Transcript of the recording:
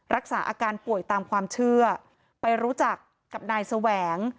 รักษาอาการป่วยตามความเชื่อไปรู้จักกับนายแสวง